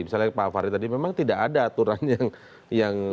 misalnya pak fahri tadi memang tidak ada aturan yang